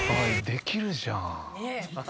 「できるじゃん」。